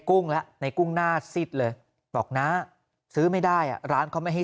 กุ้งแล้วในกุ้งหน้าซิดเลยบอกน้าซื้อไม่ได้อ่ะร้านเขาไม่ให้